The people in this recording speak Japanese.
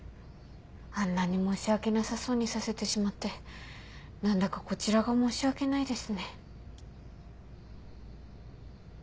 あんなに申し訳なさそうにさせてしまって何だかこちらが申し訳ないですね。